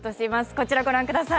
こちらをご覧ください。